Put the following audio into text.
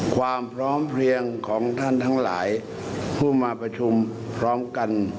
ความพร้อมเพลียงของท่านทั้งหลายผู้มาประชุมพร้อมกัน